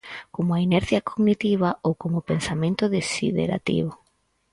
Como a inercia cognitiva ou como o pensamento desiderativo.